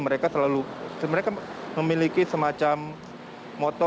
mereka selalu mereka memiliki semacam moto